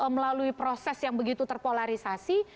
melalui proses yang begitu terpolarisasi